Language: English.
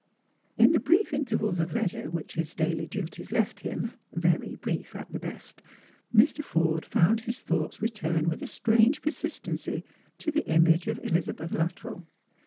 In tte brief intervals of leisure whicli his daily duties left him — very brief at the best — Mr. Forde found his thoughts return with a strange persistency to the image of EUz; abeth Luttrell.